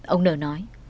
ông nờ nói